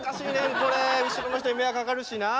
後ろの人に迷惑かかるしな。